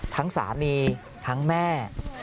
ทั้งสามีทั้งแม่